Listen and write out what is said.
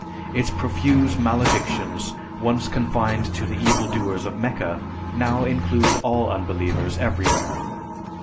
Its profuse maledictions, once confined to the evildoers of Mecca, now include all unbelievers everywhere.